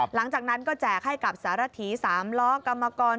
หลังจากนั้นก็แจกให้กับสารถีสามล้อกรรมกร